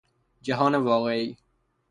جهان واقعی